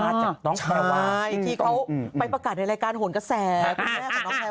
เองกี่เขาไปประกันในรายการหน่อยก็แสง